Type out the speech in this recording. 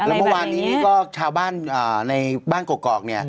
แล้วเมื่อวานนี้ก็ชาวบ้านในบ้านกอกเนี่ย